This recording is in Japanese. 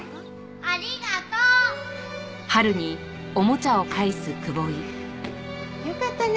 ありがとう！よかったね！